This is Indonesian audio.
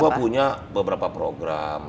di kominfo punya beberapa program